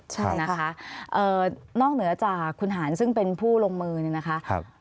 ใช่นะคะนอกเหนือจากคุณหารซึ่งเป็นผู้ลงมือเนี่ยนะคะ